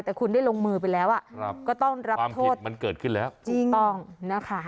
แต่คุณได้ลงมือไปแล้วอ่ะครับก็ต้องรับโทษมันเกิดขึ้นแล้วถูกต้องนะคะ